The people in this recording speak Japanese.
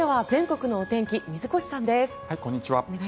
こんにちは。